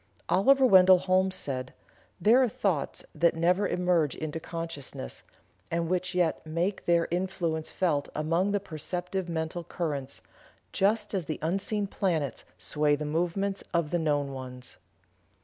Oliver Wendell Holmes said: "There are thoughts that never emerge into consciousness, and which yet make their influence felt among the perceptive mental currents, just as the unseen planets sway the movements of the known ones."